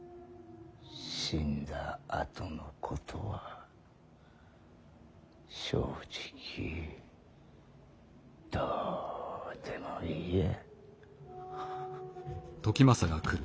死んだあとのことは正直どうでもいいや。